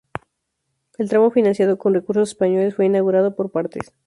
El tramo financiado con recursos españoles fue inaugurado por partes.